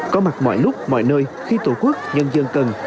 có mặt mọi lúc mọi nơi khi tổ quốc nhân dân cần